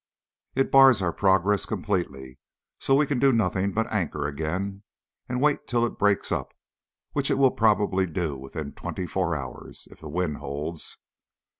It bars our progress completely, so we can do nothing but anchor again and wait until it breaks up, which it will probably do within twenty four hours, if the wind holds.